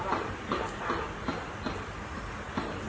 อื้ม